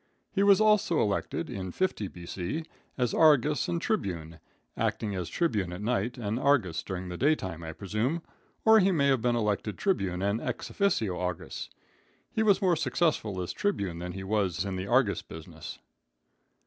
He was also elected, in 50, B.C., as Argus and Tribune acting as Tribune at night and Argus during the day time, I presume, or he may have been elected Tribune and ex officio Argus. He was more successful as Tribune than he was in the Argus business.